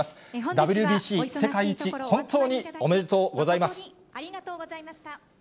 ＷＢＣ世界一、本当におめでとうございます。